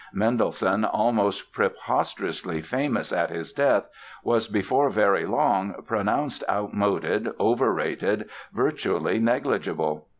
Mendelssohn, almost preposterously famous at his death, was before very long pronounced outmoded, overrated, virtually negligible.